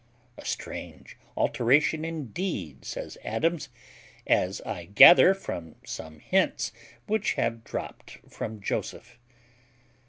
"A strange alteration indeed," says Adams, "as I gather from some hints which have dropped from Joseph."